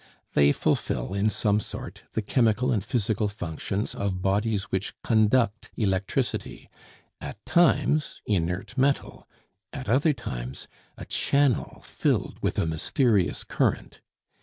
They fulfil, in some sort, the chemical and physical functions of bodies which conduct electricity; at times inert metal, at other times a channel filled with a mysterious current.